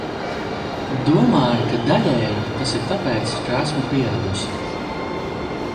Domāju, ka daļēji tas ir tāpēc, ka esmu pieradusi.